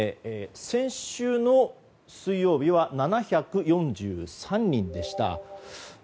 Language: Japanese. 先週の水曜日は７４３人でした。